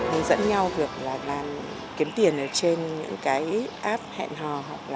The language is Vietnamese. hướng dẫn nhau việc là kiếm tiền ở trên những cái app hẹn hò